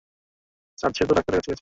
Sir, সে তো ডাক্তারের কাছে গেছে।